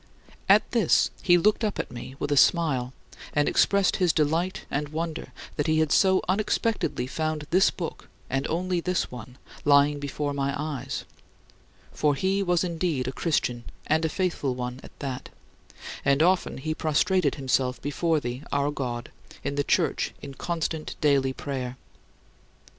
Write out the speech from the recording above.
At this, he looked up at me with a smile and expressed his delight and wonder that he had so unexpectedly found this book and only this one, lying before my eyes; for he was indeed a Christian and a faithful one at that, and often he prostrated himself before thee, our God, in the church in constant daily prayer.